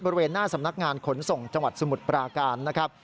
บริเวณหน้าสำนักงานขนส่งจังหวัดสมุทรปราการนะครับ